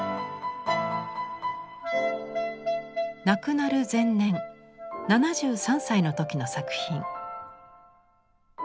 亡くなる前年７３歳の時の作品。